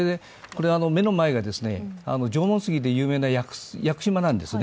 目の前が縄文杉で有名な屋久島なんですね。